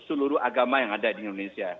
seluruh agama yang ada di indonesia